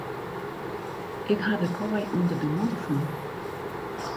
Ik ha de kaai ûnder de matte fûn.